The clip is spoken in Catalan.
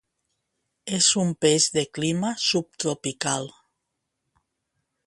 És un peix de clima subtropical.